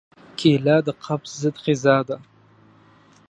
کېله د قبض ضد غذا ده.